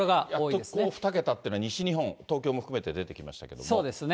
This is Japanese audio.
やっと２桁っていうのは西日本、東京も含めて、出てきましたそうですね。